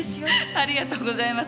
ありがとうございます